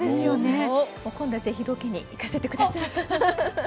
今度はぜひ、ロケに行かせてください。